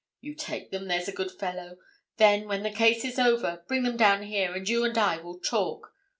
You take them—there's a good fellow; then, when the case is over, bring them down here, and you and I will talk.